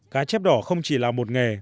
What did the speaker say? cá chép đỏ không chỉ là một nghề